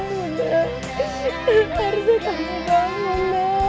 ibu kenapa hanya suatu kamu bangun